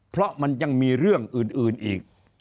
เพราะมันยังมีเรื่องอื่นอีก